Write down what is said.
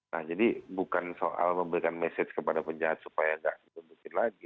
nah jadi bukan soal memberikan mesej kepada penjahat supaya tidak ditundukin lagi